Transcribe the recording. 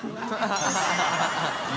ハハハ